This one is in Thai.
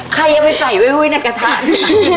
ใครจะไม่ใส่ไว้ไว้ในกระทะนี่นะ